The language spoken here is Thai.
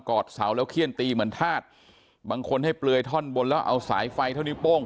กอดเสาแล้วเครี้ยนตีเหมือนทาสบางคนให้เปลวยท่อนบนเอาสายไฟเท่านี้ป้ง